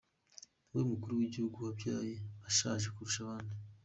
Niwe mukuru w’igihugu wabyaye ashaje kurusha abandi.